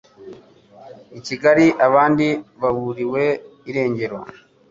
I Kigali abandi baburiwe irengero